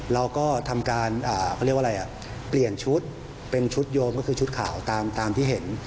เราก็ทำการเปลี่ยนชุดเป็นชุดโยมก็คือชุดขาวตามที่เห็น